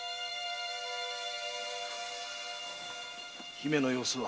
姫の様子は？